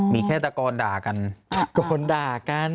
มีแค่ตะโกนด่ากันตะโกนด่ากัน